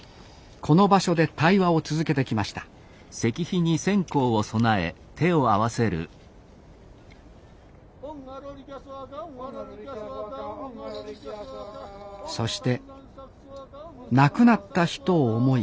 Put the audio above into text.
この場所で対話を続けてきましたそして亡くなった人を思い